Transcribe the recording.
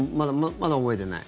まだ思えてない？